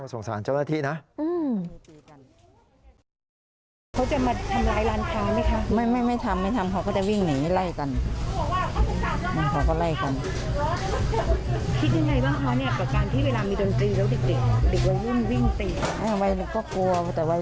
สงสารเจ้าหน้าที่นะ